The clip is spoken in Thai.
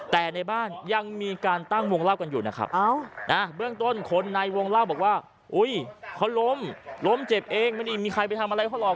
แต่ในบ้านยังมีการตั้งวงเล่ากันอยู่นะครับเบื้องต้นคนในวงเล่าบอกว่าอุ้ยเขาล้มล้มเจ็บเองไม่ได้มีใครไปทำอะไรเขาหรอก